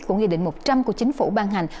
của nghị định một trăm linh của chính phủ ban hành